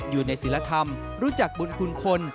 อยู่ในศิลธรรมรู้จักบุญคุณคน